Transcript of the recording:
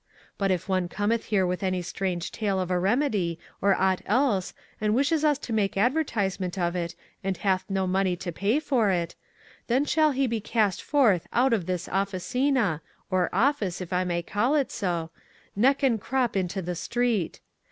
But if one cometh here with any strange tale of a remedy or aught else and wishes us to make advertisement of it and hath no money to pay for it, then shall he be cast forth out of this officina, or office, if I may call it so, neck and crop into the street.